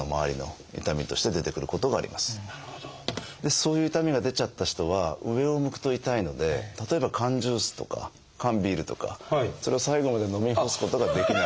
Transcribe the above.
そういう痛みが出ちゃった人は上を向くと痛いので例えば缶ジュースとか缶ビールとかそれを最後まで飲み干すことができない。